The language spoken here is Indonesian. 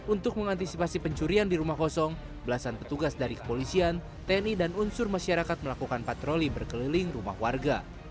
untuk mengantisipasi pencurian di rumah kosong belasan petugas dari kepolisian tni dan unsur masyarakat melakukan patroli berkeliling rumah warga